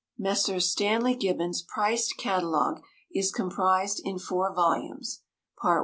Messrs. Stanley Gibbons' Priced Catalogue is comprised in four volumes: Part I.